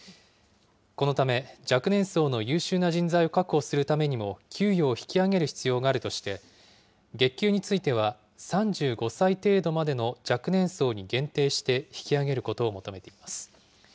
このため、若年層の優秀な人材を確保するためにも給与を引き上げる必要があるとして、月給については３５歳程度までの若年層に限定して引き上げることを求めています。